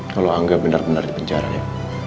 kalau angga benar benar di penjara ya